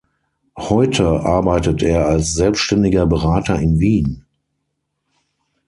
Heute arbeitet er als selbständiger Berater in Wien.